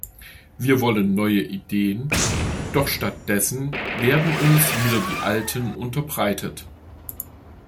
Wir wollen neue Ideen, doch stattdessen werden uns wieder die alten unterbreitet.